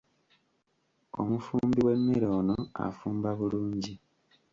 Omufumbi w'emmere ono afumba bulungi.